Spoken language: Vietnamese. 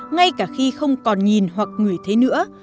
ngay cả khi không còn nhìn hoặc ngửi thế nữa